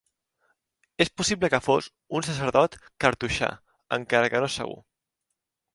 És possible que fos un sacerdot cartoixà, encara que no és segur.